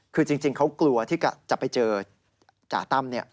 คือจริงเขากลัวที่จะไปเจอจ่าตั้ม